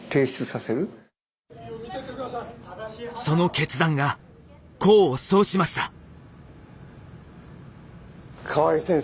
その決断が功を奏しました。